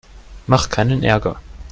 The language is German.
Mach keinen Ärger!